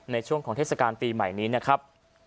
ในช่วงของเทศกาลปีใหม่นี้นะครับ